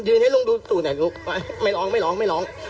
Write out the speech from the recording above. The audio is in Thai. ยืนให้ลุงดูตูดหน่อยลูกมาไม่ร้องไม่ร้องไม่ร้อง